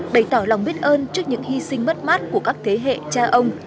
bày tỏ lòng biết ơn trước những hy sinh mất mát của các thế hệ cha ông